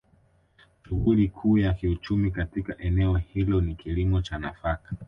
Shughuli Kuu ya kiuchumi katika eneo hilo ni kilimo cha nafaka